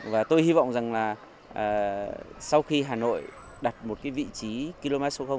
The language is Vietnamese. và tôi hy vọng rằng là sau khi hà nội đặt một cái vị trí km số